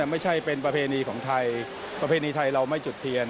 ไม่ใช่เป็นประเพณีของไทยประเพณีไทยเราไม่จุดเทียน